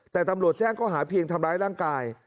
แต่ตำรวจแจ้งเขาหาเพียงทำร้ายร่างกาย